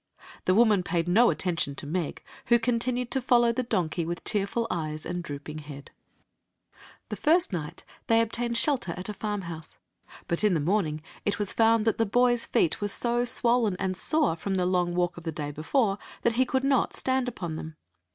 The woman paid no attention to Meg, who continued to follow the donkey with tearful eyes and droooing head. The first night they obtained shelter at a farm Story of the Magic Cloak house. But in the morning it was found that the boy s feet were so swollen and sore from the long "tr WM A MSB jomwBf." walk of the day before that he could not stand upon them.